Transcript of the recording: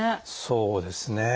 そうですね。